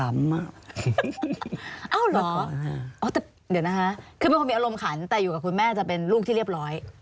เอ้าเหรอแต่เดี๋ยวนะคะคือเป็นคนมีอารมณ์ขันแต่อยู่กับคุณแม่จะเป็นลูกที่เรียบร้อย